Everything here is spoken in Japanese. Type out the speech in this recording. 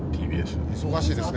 「忙しいですね」